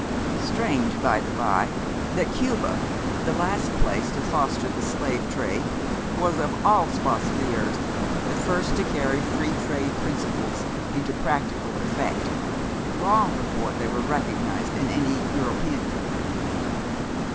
Strange, by the bye, that Cuba, the last place to foster the slave trade, was of all spots of the earth the first to carry free trade principles into practical effect, long before they were recognised in any European country.'